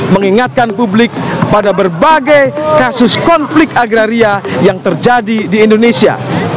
mengingatkan publik pada berbagai kasus konflik agraria yang terjadi di indonesia